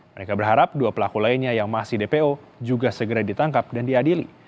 mereka berharap dua pelaku lainnya yang masih dpo juga segera ditangkap dan diadili